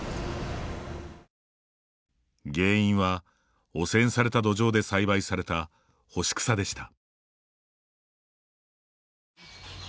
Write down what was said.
原因は汚染された土壌で栽培された干し草でした。